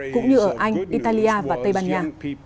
cũng như ở anh italia và tây ban nha